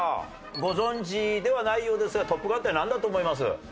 ご存じではないようですがトップガンってなんだと思います？